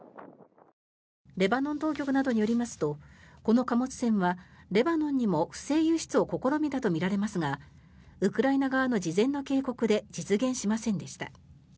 レバノン当局などによりますとこの貨物船はレバノンにも不正輸出を試みたとみられますがウクライナ側の事前の警告で実現しませんでした。